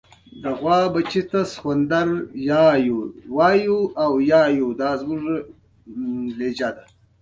غواړم لوړ لاړ شم